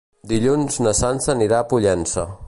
Dilluns na Sança anirà a Pollença.